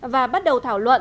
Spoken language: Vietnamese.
và bắt đầu thảo luận